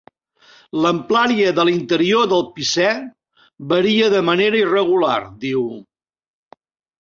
L'amplària de l'interior del Picè varia de manera irregular, diu.